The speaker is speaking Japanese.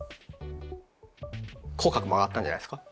口角も上がったんじゃないですか？